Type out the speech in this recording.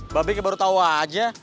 mbak beke baru tau aja